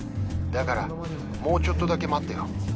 「だからもうちょっとだけ待ってよ」